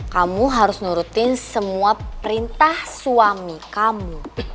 kamu harus nurutin semua perintah suami kamu